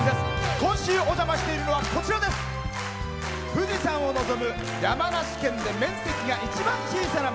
今週、お邪魔しているのは富士山を望む山梨県で面積が一番小さな町。